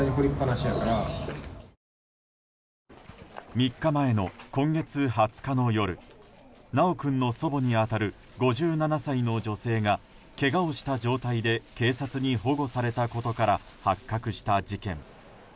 ３日前の今月２０日の夜修君の祖母に当たる５７歳の女性がけがをした状態で警察に保護されたことから発覚した事件。